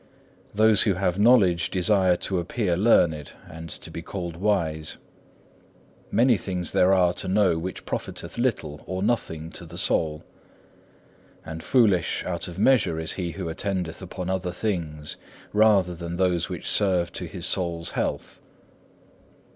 Those who have knowledge desire to appear learned, and to be called wise. Many things there are to know which profiteth little or nothing to the soul. And foolish out of measure is he who attendeth upon other things rather than those which serve to his soul's health.